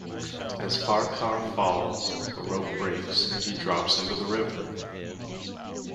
As Farquhar falls, the rope breaks, and he drops into the river.